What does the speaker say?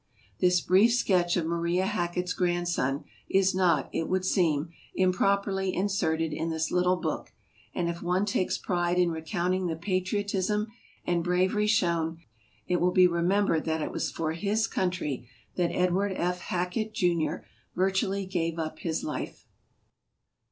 This brief sketch of Maria Hackett's grandson is not, it would seem, improperly inserted in this little book, and if one takes pride in recounting the patriotism and bravery shown, it will be remembered that it was for his country that Edward F. Hackett, Jr., virtually gave up his life.